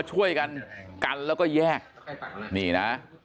มันต้องการมาหาเรื่องมันจะมาแทงนะ